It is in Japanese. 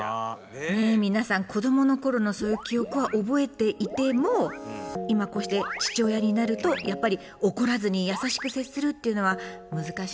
ねえ皆さん子どもの頃のそういう記憶は覚えていても今こうして父親になるとやっぱり怒らずに優しく接するっていうのは難しいかしらね。